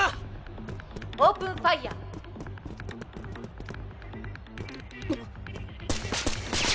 「オープンファイヤ」あっ！